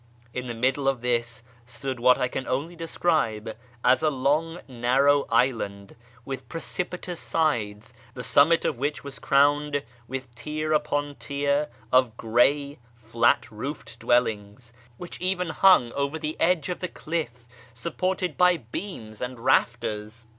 In the middle of this stood what I can only describe as a long narrow island, with precipitous sides, the summit of which was crowned with tier upon tier of gray, fiat roofed dwelling.s, which even hung over the edge of the cliff", supported by beams and rafters.